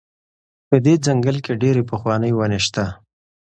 په دې ځنګل کې ډېرې پخوانۍ ونې شته.